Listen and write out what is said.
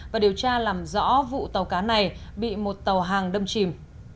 và điều tra làm rõ vụ tàu cá này bị một tàu hàng đâm chìm